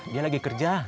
dia lagi kerja